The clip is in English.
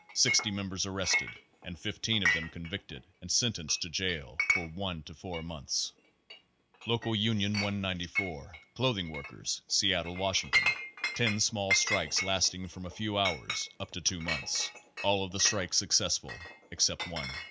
Sixty members arrested and 15 of them convicted and sentenced to jail for one to four months. Local Union 194, Clothing Workers, Seattle, Wash ington. Ten small strikes lasting from a few hours up to two months. All of the strikes successful except one.